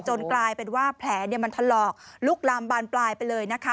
กลายเป็นว่าแผลมันถลอกลุกลามบานปลายไปเลยนะคะ